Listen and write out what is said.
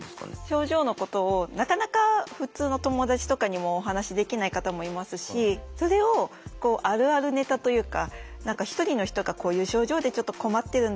症状のことをなかなか普通の友達とかにもお話しできない方もいますしそれをあるあるネタというか何か一人の人が「こういう症状でちょっと困ってるんだよね」